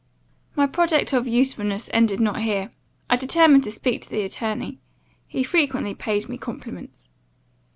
"My project of usefulness ended not here; I determined to speak to the attorney; he frequently paid me compliments.